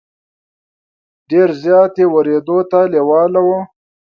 ډېر زیات یې ورېدو ته لېواله وو.